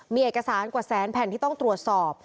มีเอกสารกว่าแสนแผ่นที่ต้องตรวจสอบ